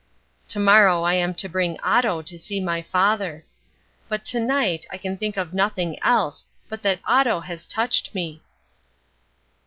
To morrow I am to bring Otto to see my father. But to night I can think of nothing else but that Otto has touched me.